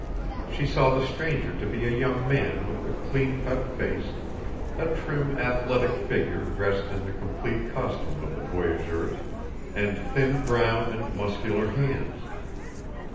She saw the stranger to be a young man with a clean cut face, a trim athletic figure dressed in the complete costume of the voyageurs, and thin brown and muscular hands.